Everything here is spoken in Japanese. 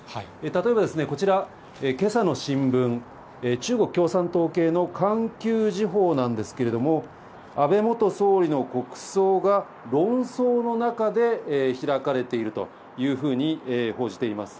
例えばこちら、けさの新聞、中国共産党系の環球時報なんですけれども、安倍元総理の国葬が論争の中で開かれているというふうに報じています。